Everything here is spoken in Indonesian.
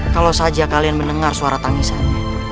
kalau saja kalian mendengar suara tangisan